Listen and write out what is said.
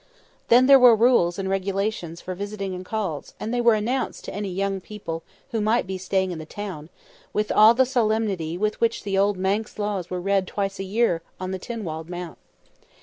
Then there were rules and regulations for visiting and calls; and they were announced to any young people who might be staying in the town, with all the solemnity with which the old Manx laws were read once a year on the Tinwald Mount.